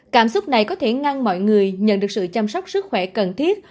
cảm xúc này có thể ngăn mọi người nhận được sự chăm sóc sức khỏe cần thiết